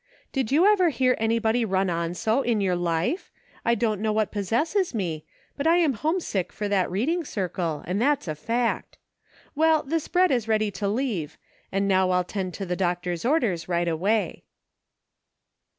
Did you ever hear anybody run on so in your life .■* I don't know what possesses me, but I am homesick for that reading circle, and that's a fact. Well, this bread is ready to leave, and now I'll tend to the doctor's orders right away."